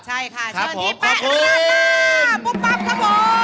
ใช่ค่ะเชิญพี่แป๊ะลาล่าปุ๊บปั๊บครับผม